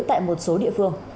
tại một số địa phương